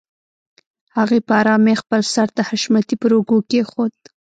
هغې په آرامۍ خپل سر د حشمتي پر اوږه کېښوده.